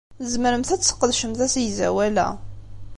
Tzemremt ad tesqedcemt asegzawal-a.